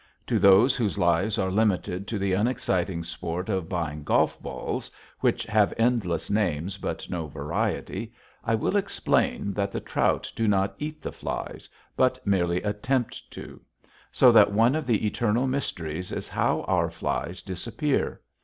To those whose lives are limited to the unexciting sport of buying golf balls, which have endless names but no variety, I will explain that the trout do not eat the flies, but merely attempt to. So that one of the eternal mysteries is how our flies disappear.